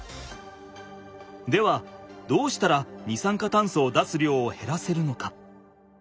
ではどうしたら二酸化炭素を出す量を減らせるのか？